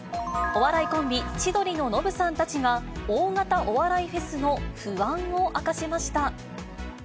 お笑いコンビ、千鳥のノブさんたちが、大型お笑いフェスの不安を明かしました。